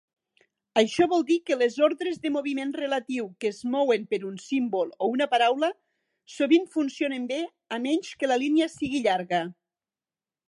Això vol dir que les ordres de moviment relatiu que es mouen per un símbol o una paraula sovint funcionen bé a menys que la línia sigui llarga.